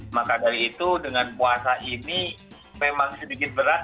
maka dari itu dengan puasa ini memang sedikit berat